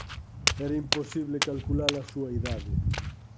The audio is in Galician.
Era imposible calcula-la súa idade.